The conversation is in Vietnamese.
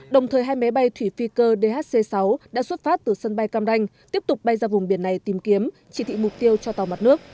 đồng thời hai máy bay thủy phi cơ dhc sáu đã xuất phát từ sân bay cam ranh tiếp tục bay ra vùng biển này tìm kiếm chỉ thị mục tiêu cho tàu mặt nước